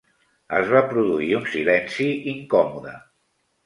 Es va produir un silenci incòmode.